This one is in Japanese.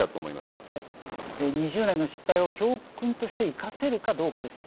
２０年の失敗を教訓として生かせるかどうかです。